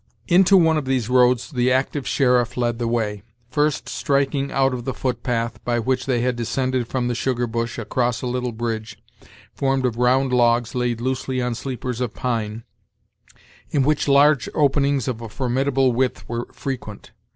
Into one of these roads the active sheriff led the way, first striking out of the foot path, by which they had descended from the sugar bush, across a little bridge, formed of round logs laid loosely on sleepers of pine, in which large openings of a formidable width were frequent.